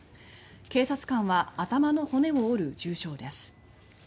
警察官は頭の骨を折る重傷です。